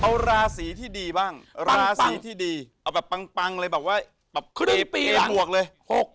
เอาราศีที่ดีบ้างราศีที่ดีเอาแบบปังเลยแบบว่าแบบครึ่งปีบวกเลย